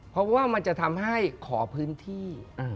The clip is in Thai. เพราะว่ามันจะทำให้ขอพื้นที่